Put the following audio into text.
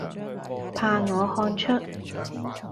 怕我看出，